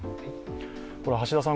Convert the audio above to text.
橋田さん